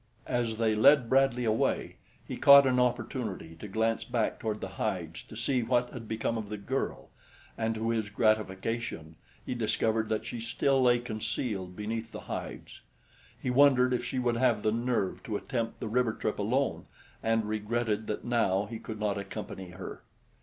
As they led Bradley away, he caught an opportunity to glance back toward the hides to see what had become of the girl, and, to his gratification, he discovered that she still lay concealed beneath the hides. He wondered if she would have the nerve to attempt the river trip alone and regretted that now he could not accompany her.